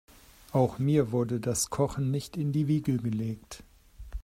Auch mir wurde das Kochen nicht in die Wiege gelegt.